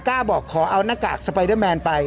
กล้าบอกขอเอาหน้ากากสไปเดอร์แมนไป